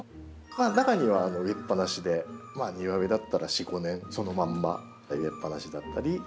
中には植えっぱなしで庭植えだったら４５年そのまんま植えっぱなしだったりする花がありますので。